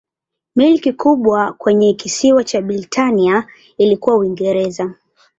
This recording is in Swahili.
Milki kubwa kwenye kisiwa cha Britania ilikuwa Uingereza.